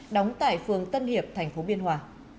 đóng tại phường tân hiệp tp biên hòa